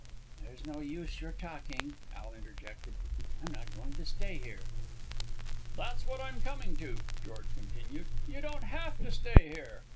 "There's no use your talking," Al interjected. "I'm not going to stay here." "That's what I'm coming to," George continued. "You don't have to stay here."